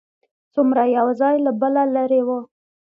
څومره یو ځای له بله لرې و.